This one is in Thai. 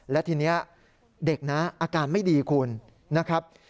และทีนี้เด็กนะอาการไม่ดีคุณนะครับ